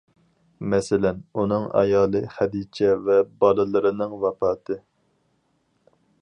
مەسىلەن:ئۇنىڭ ئايالى خەدىچە ۋە بالىلىرىنىڭ ۋاپاتى.